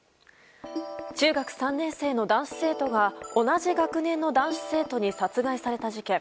中学３年生の男子生徒が同じ学年の生徒に殺害された事件。